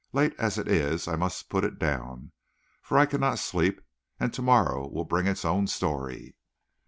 Late as it is, I must put it down, for I cannot sleep, and to morrow will bring its own story.